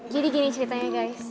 jadi gini ceritanya guys